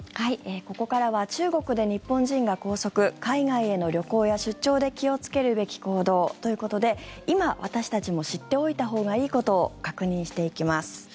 ここからは中国で日本人が拘束海外への旅行や出張で気をつけるべき行動ということで今、私たちも知っておいたほうがいいことを確認していきます。